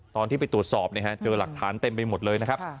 ตอนที่ไปตรวจสอบเจอหลักฐานเต็มไปหมดเลยนะครับ